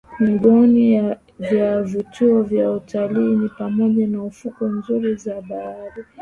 Miongoni vya vivutio vya utalii ni pamoja na fukwe nzuri za bahari